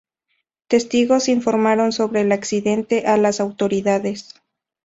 Testigos informaron sobre el accidente a las autoridades.